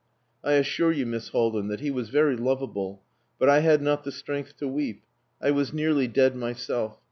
I assure you, Miss Haldin, that he was very lovable, but I had not the strength to weep. I was nearly dead myself.